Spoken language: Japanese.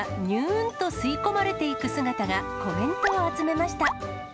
んと吸い込まれていく姿がコメントを集めました。